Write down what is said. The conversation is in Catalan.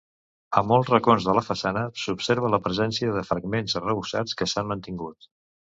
A molts racons de la façana s'observa la presència de fragments arrebossats que s'han mantingut.